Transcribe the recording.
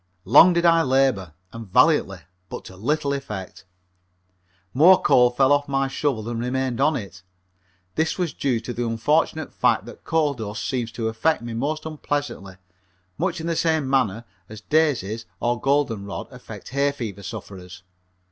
Long did I labor and valiantly but to little effect. More coal fell off of my shovel than remained on it. This was due to the unfortunate fact that coal dust seems to affect me most unpleasantly, much in the same manner as daisies or golden rod affect hay fever sufferers.